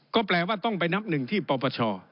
ก็แปลว่าต้องไปนับหนึ่งที่ปปช